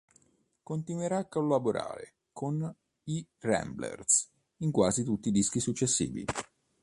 Continuerà a collaborare con i Ramblers in quasi tutti i dischi successivi.